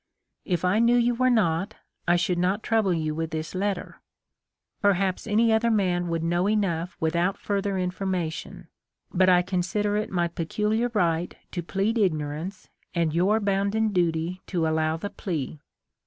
If I knew you were not, I should not trouble you with this letter. Perhaps any other man would know enough without further informa tion, but I consider it my peculiar right to plead ignorance and your bounden duty "to allow the plea.